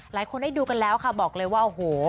หลายคนได้ดูกันแล้วค่ะบอกเลยว่าโอ้โห